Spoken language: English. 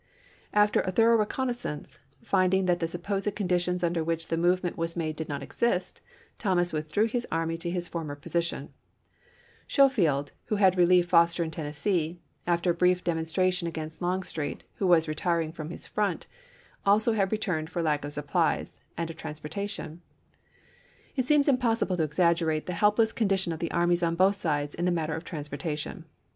After a thorough reconnaissance, finding that the supposed conditions under which the movement was made did not exist, Thomas withdrew his army to his former position. Schofield, who had relieved Foster in Tennessee, after a brief demonstration against Longstreet who was retiring from his front, also had to retuim for lack of supplies and of trans J. E. JohnBton, " Narra tive of Military Opera tions," p. 281. 334 ABRAHAM LINCOLN ch. XIII. portation. It seems impossible to exaggerate the helpless condition of the armies on both sides in the matter of transportation.